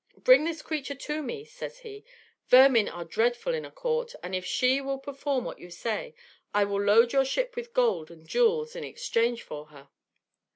"Bring this creature to me," says he; "vermin are dreadful in a court, and if she will perform what you say, I will load your ship with gold and jewels in exchange for her."